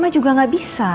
tapi juga gak bisa